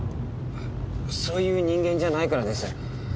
そういう人間じゃないからです。